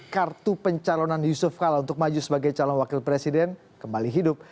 kartu pencalonan yusuf kala untuk maju sebagai calon wakil presiden kembali hidup